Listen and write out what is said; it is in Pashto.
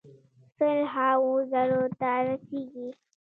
سل هاوو زرو ته رسیږي.